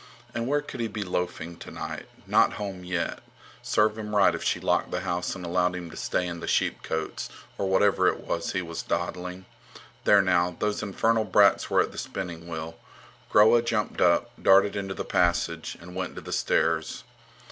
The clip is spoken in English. And where could he be loafing tonight? Not home yet! Serve him right if she locked the house and allowed him to stay in the sheepcotes, or wherever it was he was dawdling. There now, those infernal brats were at the spinning wheel. Groa jumped up, darted into the passage, and went to the stairs.